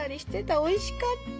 おいしかった。